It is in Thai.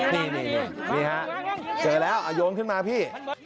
นี่ฮะเจอแล้วโยนขึ้นมาพี่